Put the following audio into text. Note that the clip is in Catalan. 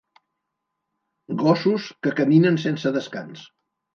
Gossos que caminen sense descans.